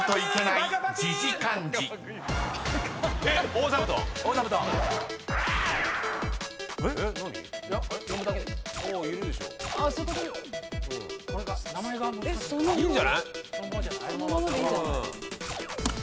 いいんじゃない？